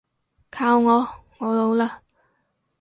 靠我，我老喇